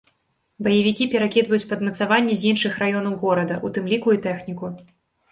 Баевікі перакідваюць падмацаванні з іншых раёнаў горада, у тым ліку і тэхніку.